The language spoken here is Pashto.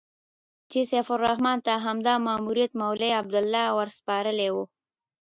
چې سیف الرحمن ته همدا ماموریت مولوي عبیدالله ورسپارلی و.